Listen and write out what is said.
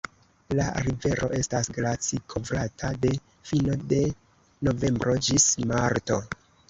La rivero estas glacikovrata de fino de novembro ĝis marto.